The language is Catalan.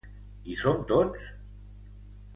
Hi som tots?